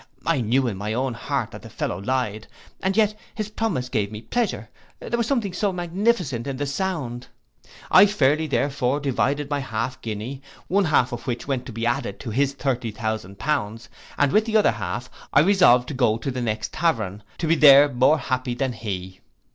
I knew in my own heart that the fellow lied, and yet his promise gave me pleasure, there was something so magnificent in the sound. I fairly, therefore, divided my half guinea, one half of which went to be added to his thirty thousand pound, and with the other half I resolved to go to the next tavern, to be there more happy than he.